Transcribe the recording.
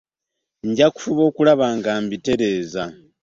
nja kufuba okulaba nga mbitereeza.